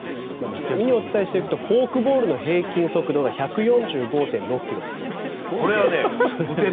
ちなみにお伝えしていくとフォークボールの平均速度が１４５．６ｋｍだそうです。